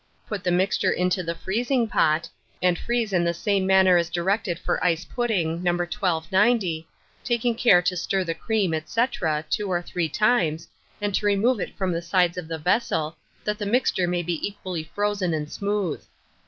Put the mixture into the freezing pot, and freeze in the same manner as directed for Ice Pudding, No. 1290, taking care to stir the cream, &c., two or three times, and to remove it from the sides of the vessel, that the mixture may be equally frozen and smooth.